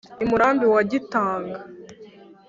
I Murambi wa Gitanga